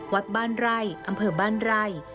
วัดบ้านไร่อำเภอบ้านไร่